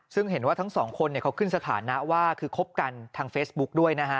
ซึ่งเห็นว่าทั้งสองคนเขาขึ้นสถานะว่าคือคบกันทางเฟซบุ๊กด้วยนะฮะ